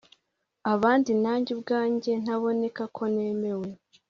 abandi nanjye ubwanjye ntaboneka ko ntemewe